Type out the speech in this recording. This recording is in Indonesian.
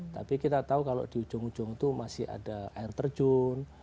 tapi kita tahu kalau di ujung ujung itu masih ada air terjun